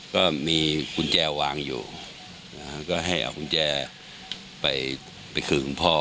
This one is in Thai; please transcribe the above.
ก็มีกุญแจวางอยู่ก็ให้เอากุญแจไปไปคืนคุณพ่อ